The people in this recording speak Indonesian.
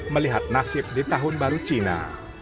melihat nasib di tahun baru cina